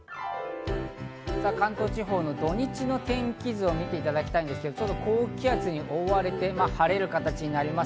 関東地方の土日の天気図を見ていただきたいんですけど、高気圧に覆われて晴れる形になります。